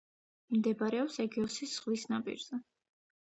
მდებარეობს ეგეოსის ზღვის ნაპირზე.